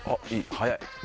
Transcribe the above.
早い。